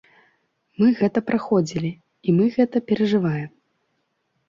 Мы гэта праходзілі, і мы гэта перажываем.